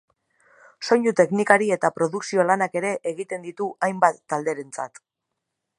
Soinu teknikari eta produkzio lanak ere egiten ditu hainbat talderentzat.